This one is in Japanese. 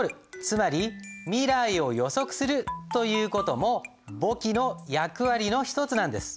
つまり未来を予測するという事も簿記の役割の一つなんです。